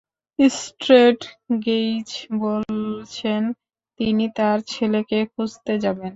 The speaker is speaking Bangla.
স্ট্রেট গেইজ বলছেন, তিনি তার ছেলেকে খুঁজতে যাবেন।